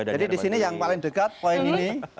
jadi disini yang paling dekat poin ini